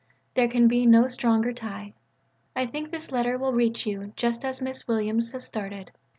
There can be no stronger tie. I think this letter will reach you just as Miss Williams has started.